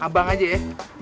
abang aja ya